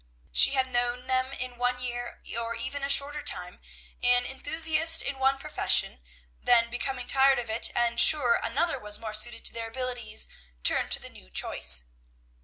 She had known them in one year, or even a shorter time, an enthusiast in one profession, then, becoming tired of it, and sure another was more suited to their abilities, turn to the new choice.